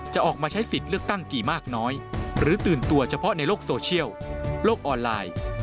จะออกมาใช้สิทธิ์เลือกตั้งกี่มากน้อยหรือตื่นตัวเฉพาะในโลกโซเชียลโลกออนไลน์